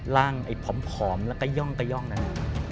ร่างไอภอมแล้วกะย่องนั้น